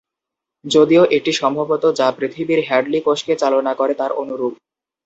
যদিও এটি সম্ভবত যা পৃথিবীর হ্যাডলি কোষকে চালনা করে তার অনুরূপ।